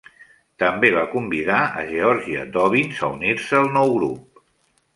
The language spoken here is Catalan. També va convidar a Georgia Dobbins a unir-se al nou grup.